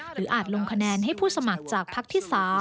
อาจลงคะแนนให้ผู้สมัครจากพักที่๓